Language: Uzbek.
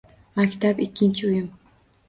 “Maktab – ikkinchi uyim”